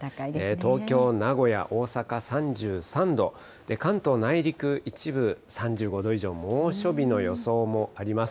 東京、名古屋、大阪、３３度、関東内陸、一部３５度以上、猛暑日の予想もあります。